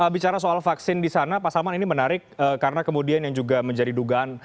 bicara soal vaksin di sana pak salman ini menarik karena kemudian yang juga menjadi dugaan